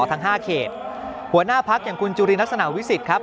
ทั้ง๕เขตหัวหน้าพักอย่างคุณจุลินลักษณะวิสิทธิ์ครับ